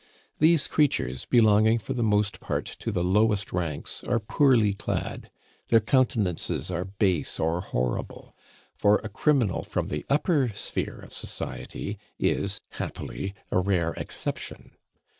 These creatures, belonging for the most part to the lowest ranks, are poorly clad; their countenances are base or horrible, for a criminal from the upper sphere of society is happily, a rare exception.